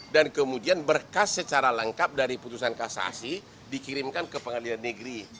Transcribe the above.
dan kemudian berkas secara lengkap dari putusan kasasi dikirimkan ke pengelolaan negeri